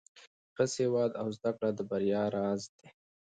ښه سواد او زده کړه د بریا راز دی.